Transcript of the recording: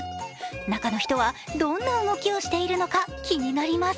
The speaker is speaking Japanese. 中の人はどんな動きをしているのか気になります。